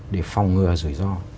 để phòng ngừa rủi ro